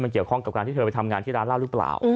เกี่ยวข้องกับการที่เธอไปทำงานที่ร้านเหล้าหรือเปล่า